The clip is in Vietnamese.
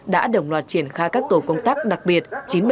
đã đồng loạt triển khai các tổ công tác đặc biệt chín trăm bảy mươi chín